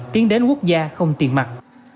tiến đến quốc gia không tiền mặt